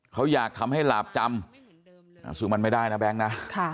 เขาอยากทำให้หลาบจำซึ่งมันไม่ได้นะแบงค์นะ